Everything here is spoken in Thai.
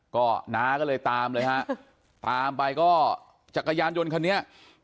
ก็เลยตามเลยฮะตามไปก็จากยานยนดคันนี้